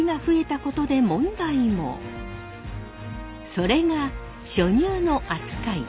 それが初乳の扱い。